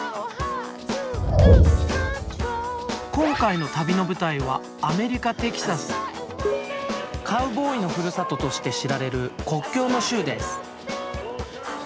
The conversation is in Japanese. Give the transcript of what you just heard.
今回の旅の舞台はカウボーイのふるさととして知られる国境の州です。